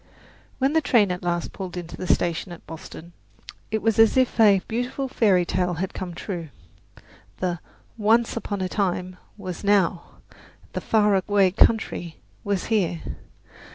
When the train at last pulled into the station at Boston it was as if a beautiful fairy tale had come true. The "once upon a time" was now; the "far away country" was here.